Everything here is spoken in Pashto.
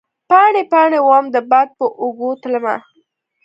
پاڼې ، پا ڼې وم د باد په اوږو تلمه